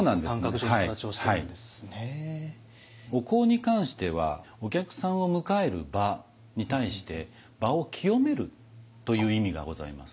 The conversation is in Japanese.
お香に関してはお客さんを迎える場に対して場を清めるという意味がございます。